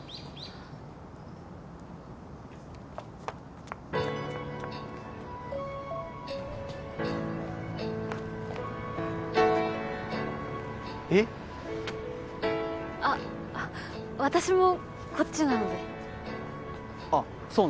あっ私もこっちなのであっそうなんですね